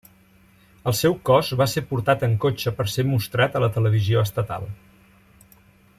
El seu cos va ser portat en cotxe per ser mostrat a la televisió estatal.